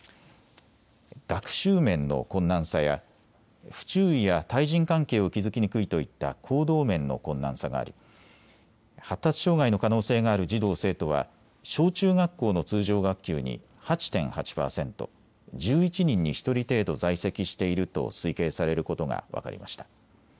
学習面の困難さや不注意や対人関係を築きにくいといった行動面の困難さがあり発達障害の可能性がある児童生徒は小中学校の通常学級に８．８％、１１人に１人程度、在籍していると推計されることが分かりました。